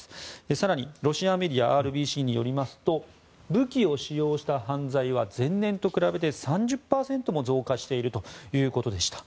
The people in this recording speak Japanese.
更に、ロシアメディアＲＢＣによりますと武器を使用した犯罪は前年と比べて３０％も増加しているということでした。